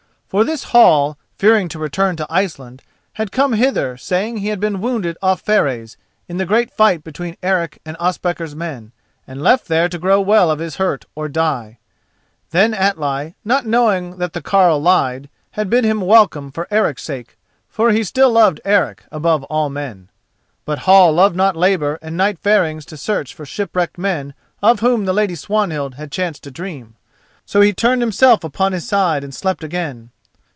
For this Hall, fearing to return to Iceland, had come hither saying that he had been wounded off Fareys, in the great fight between Eric and Ospakar's men, and left there to grow well of his hurt or die. Then Atli, not knowing that the carle lied, had bid him welcome for Eric's sake, for he still loved Eric above all men. But Hall loved not labour and nightfarings to search for shipwrecked men of whom the Lady Swanhild had chanced to dream. So he turned himself upon his side and slept again.